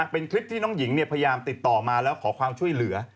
เป็นคลิปที่น้องหญิงพยายามติดต่อมาแล้วขอความช่วยเหลือ